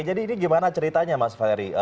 bagaimana ceritanya mas valery